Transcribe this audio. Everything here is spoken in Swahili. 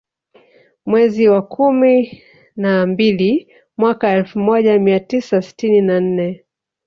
Mwezi wa kumi na mbili mwaka Elfu moja mia tisa sitini na nne